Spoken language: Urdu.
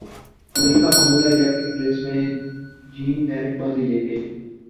امریکہ فامولا الیکٹرک ریس میں جین ایرک بازی لے گئے